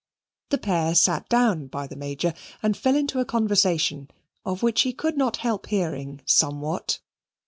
The pair sat down by the Major and fell into a conversation of which he could not help hearing somewhat.